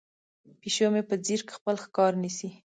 پیشو مې په ځیر خپل ښکار نیسي.